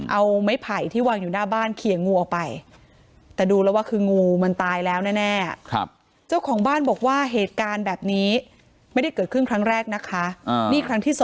เอาไหมไผ่ที่วางอยู่หน้าบ้านเขียงงูออกไป